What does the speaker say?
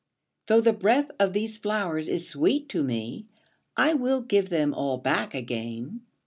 Though the breath of these flowers is sweet to me, I will give them all back again.''